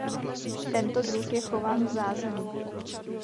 Tento druh je chován v zázemí.